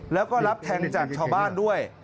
แล้วก็รับแทงจากชาวบ้านด้วย